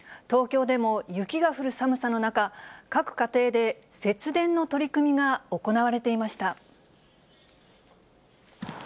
東京でも雪が降る寒さの中、各家庭で節電の取り組みが行われていました。